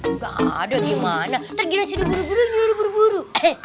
enggak ada gimana tergila nyuruh buru buru